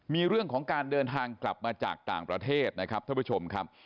มีเรื่องของการเดินทางกลับมาจากต่างประเทศนะครับท่านผู้ชมครับ